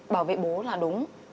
bảo vệ bố là đúng